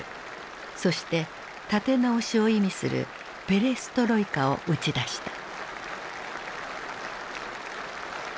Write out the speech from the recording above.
そして「立て直し」を意味するペレストロイカを打ち出した。